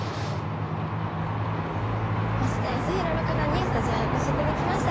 増田康宏六段にスタジオへお越しいただきました。